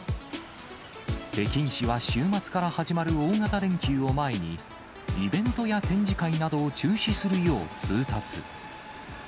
北京市は週末から始まる大型連休を前に、イベントや展示会などを中止するよう通達。